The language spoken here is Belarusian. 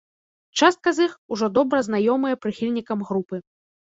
Частка з іх ужо добра знаёмыя прыхільнікам групы.